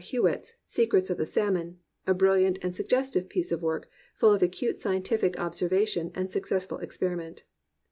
Hewitt's Secrets of the Salmon, a brilliant and suggestive piece of work, full of acute scientific ob servation and successful experiment.